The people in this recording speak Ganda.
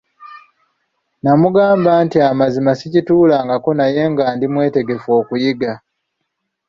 Namugamba nti amazima sikituulangako naye nga ndi mwetegefu okuyiga.